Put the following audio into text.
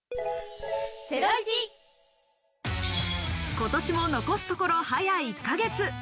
今年も残すところ早１か月。